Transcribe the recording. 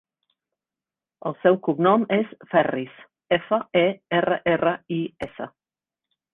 El seu cognom és Ferris: efa, e, erra, erra, i, essa.